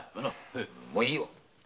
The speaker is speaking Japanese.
もういいよ。